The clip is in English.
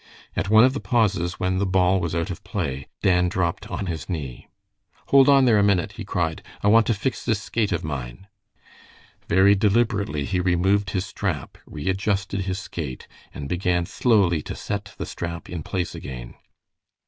At one of the pauses, when the ball was out of play, Dan dropped on his knee. "Hold on there a minute," he cried; "I want to fix this skate of mine." Very deliberately he removed his strap, readjusted his skate, and began slowly to set the strap in place again.